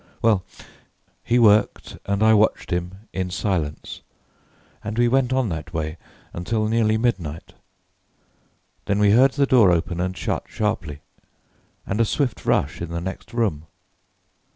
"Well, he worked and I watched him in silence, and we went on that way until nearly midnight. Then we heard the door open and shut sharply, and a swift rush in the next room.